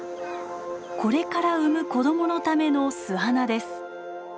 これから産む子供のための巣穴です。